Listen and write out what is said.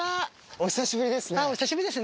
お久しぶりですね。